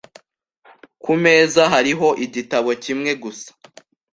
Ku meza hariho igitabo kimwe gusa .